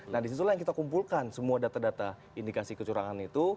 nah disitulah yang kita kumpulkan semua data data indikasi kecurangan itu